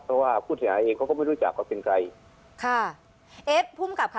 เพราะว่าผู้เสียหายเองเขาก็ไม่รู้จักเขาเป็นใครค่ะเอ๊ะภูมิกับค่ะ